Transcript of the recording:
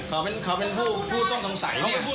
เขาเป็นผู้ต้องสายเนี่ย